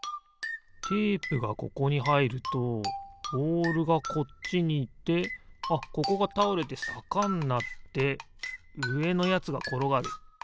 テープがここにはいるとボールがこっちにいってあっここがたおれてさかになってうえのやつがころがる。